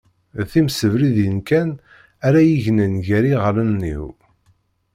D timsebridin kan ara yegnen gar iɣallen-iw